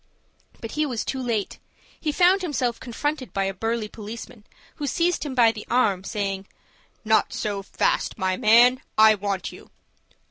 But he was too late. He found himself confronted by a burly policeman, who seized him by the arm, saying, "Not so fast, my man. I want you."